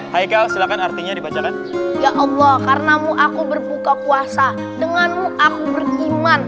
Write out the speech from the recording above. hai kau silakan artinya dibaca kan ya allah karenamu aku berbuka kuasa denganmu aku beriman